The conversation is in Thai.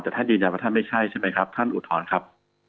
แต่ท่านยืนยันว่าท่านไม่ใช่ใช่ไหมครับท่านอุทธรณ์ครับ